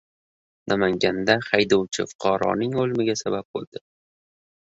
Namanganda haydovchi fuqaroning o‘limiga sabab bo‘ldi